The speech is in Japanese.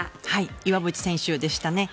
岩渕選手でしたね。